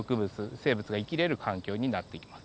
生物が生きれる環境になってきます。